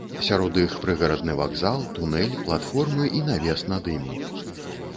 Сярод іх прыгарадны вакзал, тунэль, платформы і навес над імі.